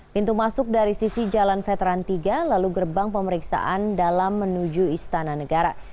pintu masuk dari sisi jalan veteran tiga lalu gerbang pemeriksaan dalam menuju istana negara